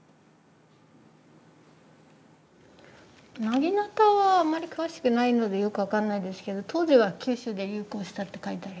なぎなたはあんまり詳しくないのでよく分かんないですけど当時は九州で流行したって書いてありますね。